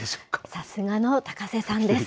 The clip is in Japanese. さすがの高瀬さんです。